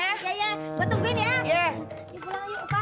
iya iya gua tungguin ya